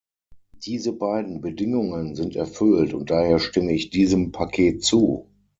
Diese beiden Bedingungen sind erfüllt, und daher stimme ich diesem Paket zu.